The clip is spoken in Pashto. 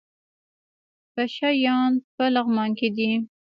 پشه یان په لغمان کې دي؟